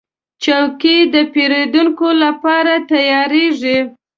چوکۍ د پیرودونکو لپاره تیارېږي.